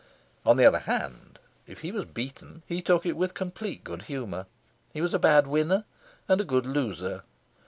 On the other hand, if he was beaten he took it with complete good humour. He was a bad winner and a good loser.